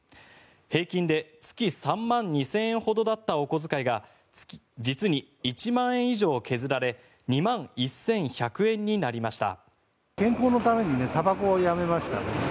平均で月３万２０００円ほどだったお小遣いが実に１万円以上削られ２万１１００円になりました。